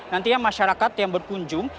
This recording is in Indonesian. nantinya masyarakat yang berkunjung